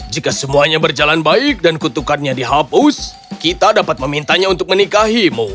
jika semuanya berjalan baik dan kutukannya dihapus kita dapat memintanya untuk menikahimu